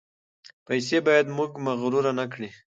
پیسې باید موږ مغرور نکړي.